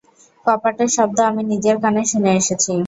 কপাটের শব্দ আমি নিজের কানে শুনে এসেছি।